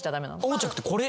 横着ってこれ？